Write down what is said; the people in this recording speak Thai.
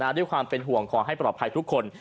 ด้วยความเป็นห่วงขอให้ปลอดภัยทุกคน